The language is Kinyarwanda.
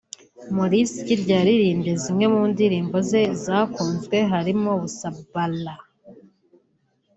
Maurice Kirya yaririmbye zimwe mu ndirimbo ze zakunzwe harimo Busabala